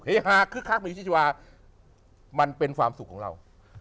ฮาคึกคักอยู่ที่ชีวามันเป็นความสุขของเรา